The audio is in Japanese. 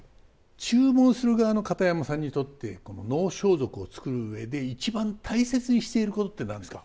注文する側の片山さんにとって能装束を作る上で一番大切にしていることって何ですか？